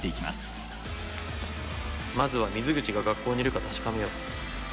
まずは水口が学校にいるか確かめよう。